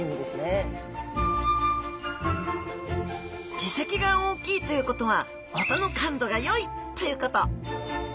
耳石が大きいということは音の感度が良いということ